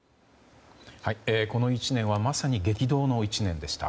この１年はまさに激動の１年でした。